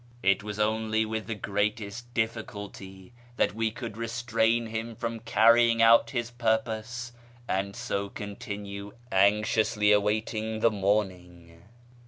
' It was only with the greatest difficulty that we could restrain him from carrying out his purpose, and so continue anxiously awaiting the morning.